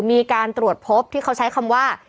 มีการตรวจพบที่เขาใช้คำว่า